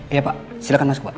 iya pak silahkan masuk pak